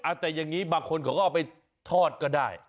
แต่อย่างนี้บางคนเขาก็เอาไปทอดก็ได้